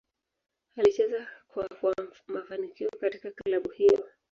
Alicheza kwa kwa mafanikio katika klabu hiyo.